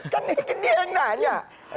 kan dia yang nanya